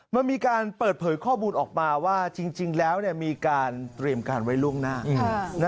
มันมีการเปิดเผยข้อมูลออกมาว่าจริงแล้วมีการเตรียมการไว้ล่วงหน้า